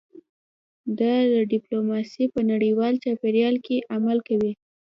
دا ډیپلوماسي په نړیوال چاپیریال کې عمل کوي